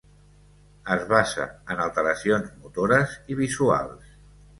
Es basa en alteracions motores i visuals.